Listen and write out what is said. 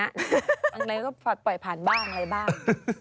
อะไรก็ปล่อยผ่านบ้างอะไรบ้าง